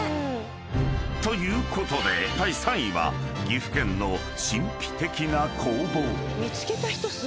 ［ということで第３位は岐阜県の神秘的な光芒］